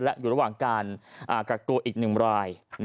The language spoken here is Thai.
และอยู่ระหว่างการกักตัวอีก๑ราย